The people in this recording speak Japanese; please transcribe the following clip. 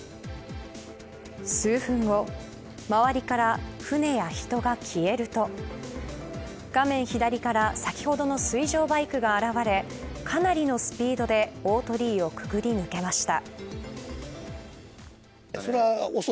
数分後、周りから船や人が消えると画面左から先ほどの水上バイクが現れかなりのスピードで大鳥居をくぐり抜けました。